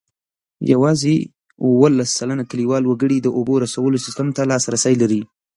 یوازې اوولس سلنه کلیوال وګړي د اوبو رسولو سیسټم ته لاسرسی لري.